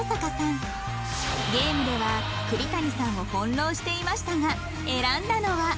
ゲームでは栗谷さんを翻弄していましたが選んだのは